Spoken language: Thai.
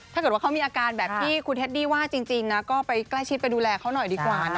ถ้าเกิดว่าเขามีอาการแบบที่คุณเทดดี้ว่าจริงนะก็ไปใกล้ชิดไปดูแลเขาหน่อยดีกว่านะ